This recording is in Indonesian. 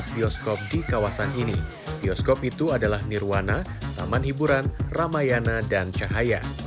bioskop di kawasan ini bioskop itu adalah nirwana taman hiburan ramayana dan cahaya